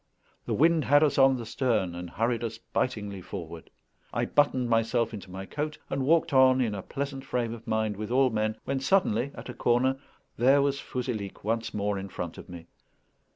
The wind had us on the stern, and hurried us bitingly forward. I buttoned myself into my coat, and walked on in a pleasant frame of mind with all men, when suddenly, at a corner, there was Fouzilhic once more in front of me.